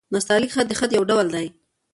نستعلیق خط؛ د خط يو ډول دﺉ.